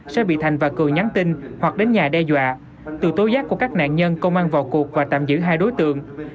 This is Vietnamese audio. sẽ bị thành và cường nhắn tin hoặc đến nhà đe dọa từ tố giác của các nạn nhân công an vào cuộc và tạm giữ hai đối tượng